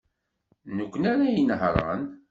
D nekkni ara inehṛen.